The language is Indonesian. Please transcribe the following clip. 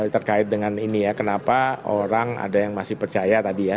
terkait dengan ini ya kenapa orang ada yang masih percaya tadi ya